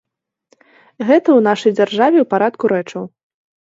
Гэта ў нашай дзяржаве ў парадку рэчаў.